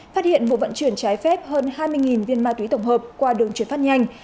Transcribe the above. phát hiện vụ vận chuyển trái phép hơn hai mươi viên ma túy tổng hợp qua đường chuyển phát nhanh